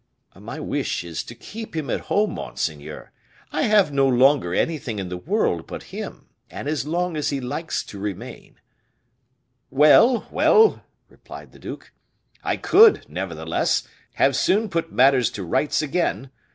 "My wish is to keep him at home, monseigneur. I have no longer anything in the world but him, and as long as he likes to remain " "Well, well," replied the duke. "I could, nevertheless, have soon put matters to rights again.